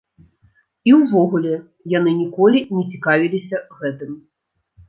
І ўвогуле, яны ніколі не цікавіліся гэтым.